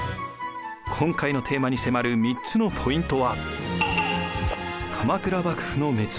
今回のテーマに迫る３つのポイントは。